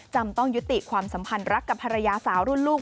ต้องยุติความสัมพันธ์รักกับภรรยาสาวรุ่นลูก